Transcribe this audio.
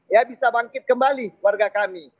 ya bisa bangkit kembali warga kami